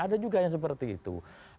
ada juga yang seperti itu